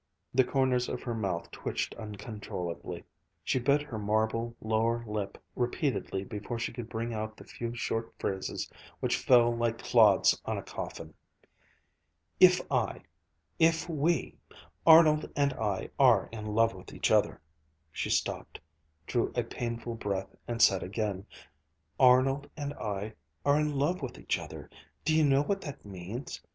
The corners of her mouth twitched uncontrollably. She bit her marble lower lip repeatedly before she could bring out the few short phrases which fell like clods on a coffin. "If I if we Arnold and I are in love with each other." She stopped, drew a painful breath, and said again: "Arnold and I are in love with each other. Do you know what that means?